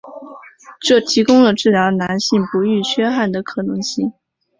这提供了治疗男性不育缺憾的可能性。